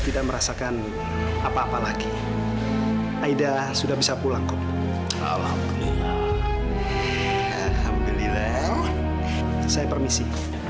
tidak merasakan apa apa lagi aida sudah bisa pulang ke alam alhamdulillah saya permisi